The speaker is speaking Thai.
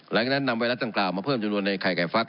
หลังจากนั้นนำไวรัสดังกล่าวมาเพิ่มจำนวนในไข่ไก่ฟัก